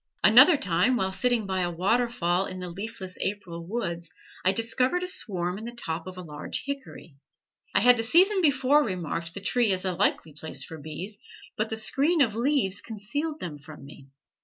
Another time while sitting by a waterfall in the leafless April woods I discovered a swarm in the top of a large hickory. I had the season before remarked the tree as a likely place for bees, but the screen of leaves concealed them from me.